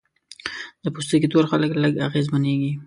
د پوستکي تور خلک لږ اغېزمنېږي.